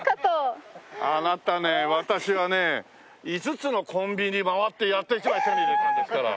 あなたね私はね５つのコンビニ回ってやっと１枚手に入れたんですから。